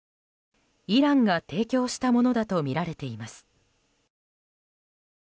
イランが提供したものだとみられています。